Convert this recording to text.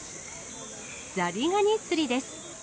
ザリガニ釣りです。